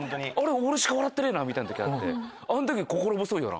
俺しか笑ってねえ時あってあの時心細いよな？